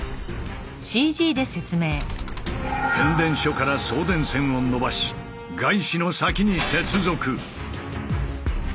変電所から送電線を延ばしガイシの先に接続。